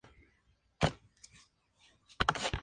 Mind-Wave fue escoltado a una celda en la Montaña Thunderbolts.